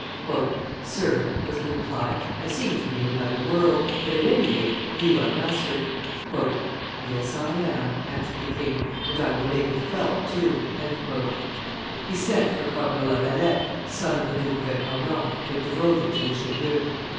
"Sir," was the reply, "I seem to be in another world, but at any rate you are master." "Yes, I am," answered the king, "and I will make it felt too." He sent for Cardinal La Vallette, son of the Duke of Epernon, but devoted to Richelieu.